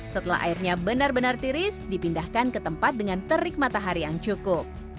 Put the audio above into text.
setelah airnya benar benar tiris dipindahkan ke tempat dengan terik matahari yang cukup